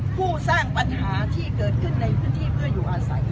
ผู้สร้างปัญหาที่เกิดขึ้นในพื้นที่เพื่ออยู่อาศัย